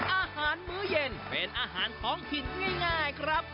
อาหารมื้อเย็นเป็นอาหารท้องถิ่นง่ายครับ